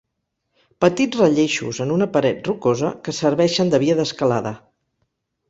Petits relleixos en una paret rocosa que serveixen de via d'escalada.